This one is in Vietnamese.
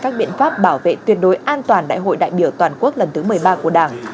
các biện pháp bảo vệ tuyệt đối an toàn đại hội đại biểu toàn quốc lần thứ một mươi ba của đảng